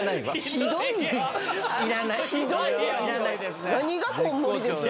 ひどいですよ。